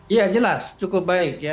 iya jelas cukup baik ya